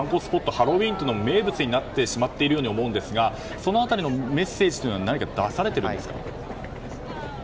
ハロウィーンの名物になってしまっているように思うんですがその辺りのメッセージというのは何か出されていますか。